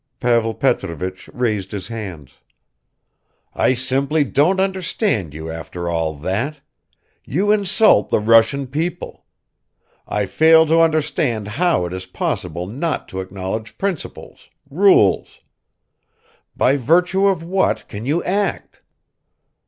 Pavel Petrovich raised his hands. "I simply don't understand you after all that. You insult the Russian people. I fail to understand how it is possible not to acknowledge principles, rules! By virtue of what can you act?"